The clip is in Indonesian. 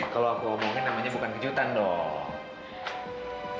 kalau aku omongin namanya bukan kejutan dong